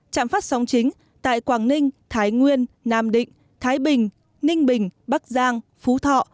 trạm phát sóng chính tại quảng ninh thái nguyên nam định thái bình ninh bình bắc giang phú thọ